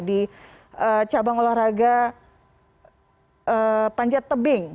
di cabang olahraga panjat tebing